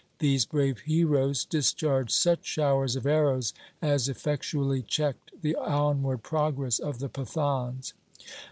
These brave heroes discharged such showers of arrows as effectually checked the onward progress of the Pathans.